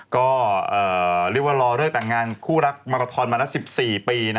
ก็เรียกว่ารอเลิกแต่งงานคู่รักมาราทอนมาแล้ว๑๔ปี